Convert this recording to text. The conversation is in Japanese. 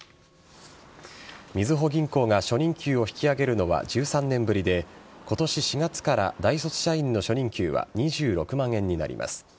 みずほ銀行が初任給を引き上げるのは１３年ぶりで今年４月から大卒社員の初任給は２６万円になります。